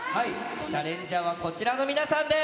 チャレンジャーはこちらの皆さんです。